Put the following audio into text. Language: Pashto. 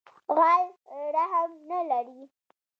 غل رحم نه لری